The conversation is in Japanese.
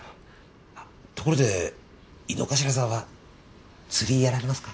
あっところで井之頭さんは釣りやられますか？